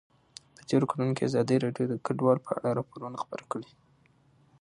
په تېرو کلونو کې ازادي راډیو د کډوال په اړه راپورونه خپاره کړي دي.